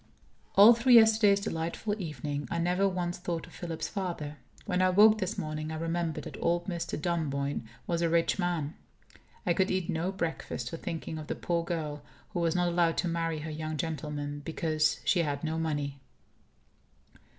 ....... All through yesterday's delightful evening, I never once thought of Philip's father. When I woke this morning, I remembered that old Mr. Dunboyne was a rich man. I could eat no breakfast for thinking of the poor girl who was not allowed to marry her young gentleman, because she had no money.